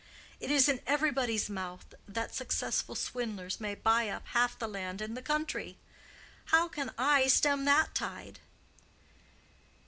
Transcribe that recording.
It is in everybody's mouth that successful swindlers may buy up half the land in the country. How can I stem that tide?"